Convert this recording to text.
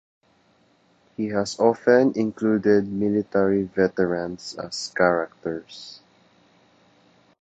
He has often included military veterans as characters.